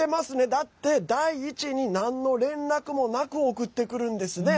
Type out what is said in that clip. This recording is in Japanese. だって、第一になんの連絡もなく送ってくるんですね。